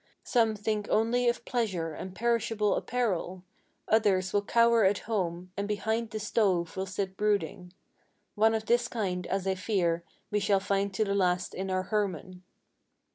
Some think only of pleasure and perishable apparel; Others will cower at home, and behind the stove will sit brooding. One of this kind, as I fear, we shall find to the last in our Hermann."